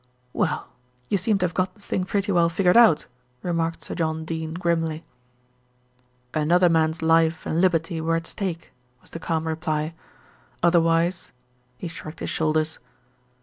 "Well, you seem to have got the thing pretty well figured out," remarked Sir John Dene grimly. "Another man's life and liberty were at stake," was the calm reply, "otherwise " he shrugged his shoulders.